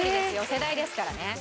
世代ですからね。